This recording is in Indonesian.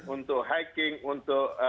untuk hiking untuk